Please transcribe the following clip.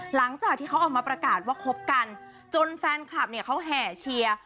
หลังจากที่เขาออกมาประกาศว่าคบกันจนแฟนคลับเนี่ยเขาแห่เชียร์